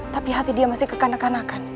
tapi hati dia masih kekanek kanakan